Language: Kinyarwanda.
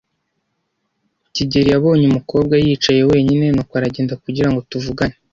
kigeli yabonye umukobwa yicaye wenyine, nuko aragenda kugira ngo tuvugane.